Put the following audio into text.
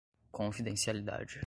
confidencialidade